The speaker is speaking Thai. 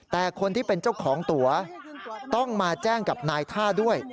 แต่คนที่เป็นเจ้าของตัวต้องมาแจ้งกับนายท่าด้วย